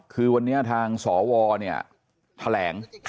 คือวันนี้ทางสวเนี่ยแถลง